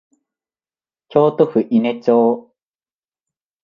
京都府伊根町